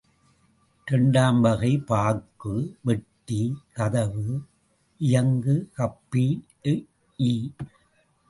இரண்டாம் வகை பாக்கு வெட்டி, கதவு, இயங்குகப்பி, எ.இ.